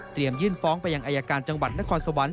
ยื่นฟ้องไปยังอายการจังหวัดนครสวรรค์